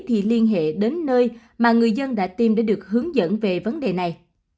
thì liên hệ đến nơi mà người dân đã tìm để được hướng dẫn về vấn đề này